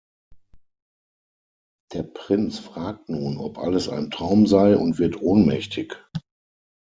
Der Prinz fragt nun, ob alles ein Traum sei und wird ohnmächtig.